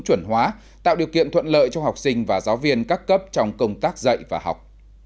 chuẩn hóa tạo điều kiện thuận lợi cho học sinh và giáo viên các cấp trong công tác dạy và học